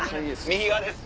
右側です。